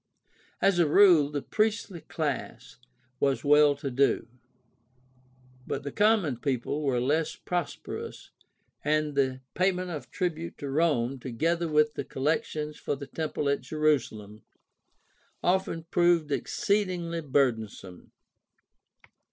As a rule the priestly class was well to do, but the common people were less prosperous and the payment of tribute to Rome, together with the col THE STUDY OF EARLY CHRISTrANITY 251 lections for the temple at Jerusalem, often proved exceedingly burdensome.